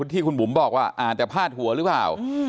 ที่คุณบุ๋มบอกว่าอ่านแต่พาดหัวหรือเปล่า